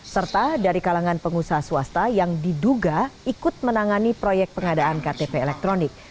serta dari kalangan pengusaha swasta yang diduga ikut menangani proyek pengadaan ktp elektronik